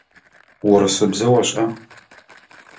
Урысыбзэ ошӏа?